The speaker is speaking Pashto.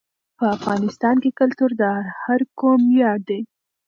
په افغانستان کې کلتور د هر قوم ویاړ دی.